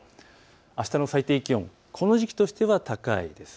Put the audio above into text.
あしたの最低気温、この時期としては高いです。